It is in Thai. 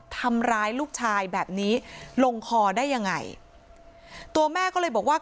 ทำร้ายลูกชายแบบนี้ลงคอได้ยังไงตัวแม่ก็เลยบอกว่า